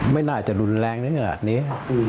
ไม่น่าจะรุนแรงถึงขนาดนี้